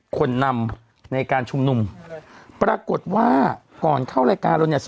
คนนำในการชุมนุมปรากฏว่าก่อนเข้ารายการเราเนี่ย